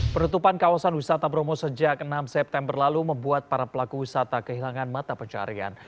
penutupan kawasan wisata bromo sejak enam september lalu membuat para pelaku wisata kehilangan mata pencarian